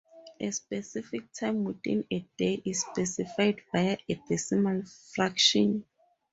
A specific time within a day is specified via a decimal fraction.